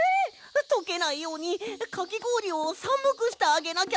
とけないようにかきごおりをさむくしてあげなきゃ！